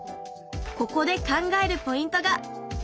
ここで考えるポイントが！